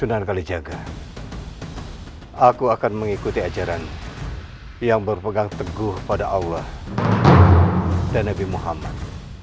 aku akan mengikuti ajaran yang berpegang teguh pada allah dan nabi muhammad